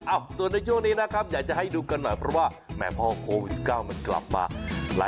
ส่วนในช่วงนี้นะครับอยากจะให้ดูกันหน่อยเพราะว่าแหมพอโควิด๑๙มันกลับมา